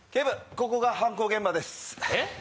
ここが犯行現場ですえっ？